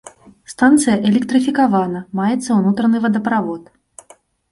Станцыя электрыфікавана, маецца ўнутраны вадаправод.